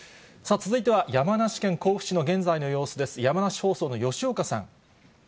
続いては、山梨県甲府市の現在の様子です。